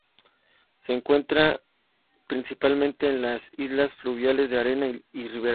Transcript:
Se encuentra principalmente en las islas fluviales de arena y riberas.